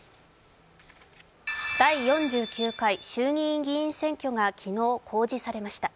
第４９回衆議院議員選挙が昨日、公示されました。